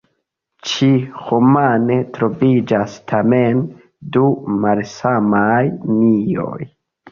Ĉi-romane troviĝas tamen du malsamaj mioj.